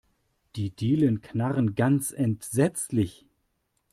Die Dielen knarren ganz entsetzlich.